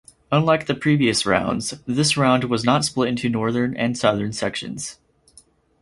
Unlike the previous rounds this round was not split into northern and southern sections.